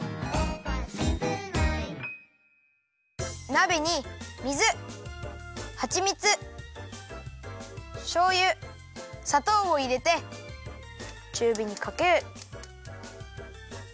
なべに水はちみつしょうゆさとうをいれてちゅうびにかける。